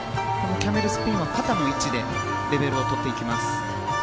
キャメルスピンは肩の位置でレベルをとっていきます。